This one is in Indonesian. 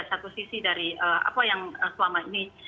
satu sisi dari apa yang selama ini